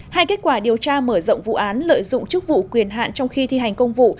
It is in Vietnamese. hai kết quả điều tra mở rộng vụ án lợi dụng chức vụ quyền hạn trong khi thi hành công vụ